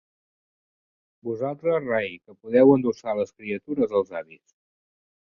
Vosaltres rai, que podeu endossar les criatures als avis.